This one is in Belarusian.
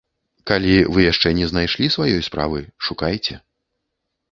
Калі вы яшчэ не знайшлі сваёй справы, шукайце.